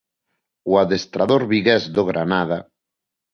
O adestrador vigués do Granada.